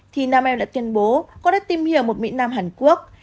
thì nam em đã tuyên bố có đã tìm hiểu một mỹ nam hàn quốc